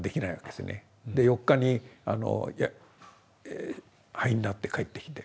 で４日に灰になって帰ってきて。